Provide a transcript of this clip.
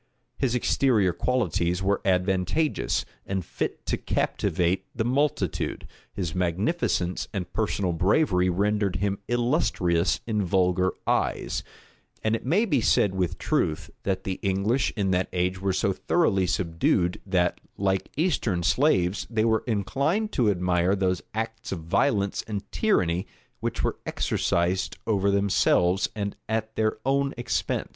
[*] His exterior qualities were advantageous, and fit to captivate the multitude: his magnificence and personal bravery rendered him illustrious in vulgar eyes; and it may be said with truth, that the English in that age were so thoroughly subdued, that, like Eastern slaves, they were inclined to admire those acts of violence and tyranny which were exercised over themselves, and at their own expense.